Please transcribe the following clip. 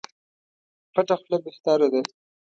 پټه خوله بهتره ده.